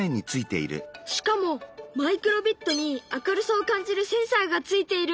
しかもマイクロビットに明るさを感じるセンサーがついているんだ。